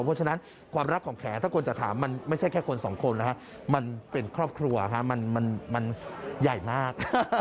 เพราะฉะนั้นความรักของแขถ้าคนจะถามมันไม่ใช่แค่คนสองคนนะฮะมันเป็นครอบครัวมันใหญ่มาก